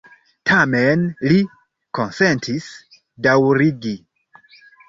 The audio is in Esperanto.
Tamen li konsentis daŭrigi.